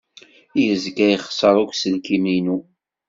Yezga ixeṣṣer uselkim-inu.